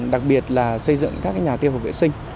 đặc biệt là xây dựng các nhà tiêu hợp vệ sinh